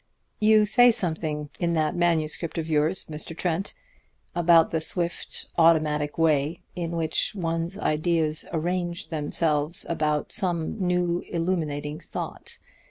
"You say something in that manuscript of yours, Mr. Trent, about the swift, automatic way in which one's ideas arrange themselves about some new, illuminating thought.